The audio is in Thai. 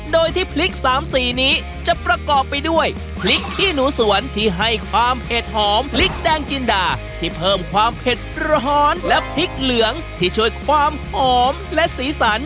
โดยที่พริกสามสีนี้จะประกอบไปด้วยพริกขี้หนูสวนที่ให้ความเผ็ดหอมพริกแดงจินดาที่เพิ่มความเผ็ดร้อนและพริกเหลืองที่ช่วยความหอมและสีสัน